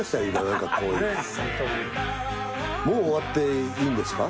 もう終わっていいんですか？